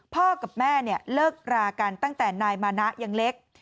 พ่อกับแม่เนี่ยเลิกรากันตั้งแต่นายมานะยังเล็ก